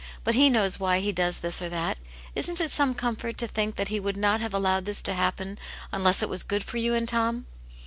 But He knows why He does this or that. Isn't it some comfort to think that He would not have allowed this to happen unless it was good for you and Tom